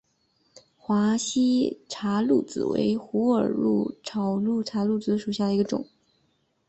华西茶藨子为虎耳草科茶藨子属下的一个种。